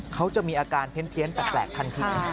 เขาจะมีอาการเพี้ยนแปลกทันที